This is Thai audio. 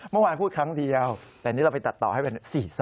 เมื่อวานพูดครั้งเดียวแต่นี่เราไปตัดต่อให้เป็น๔๒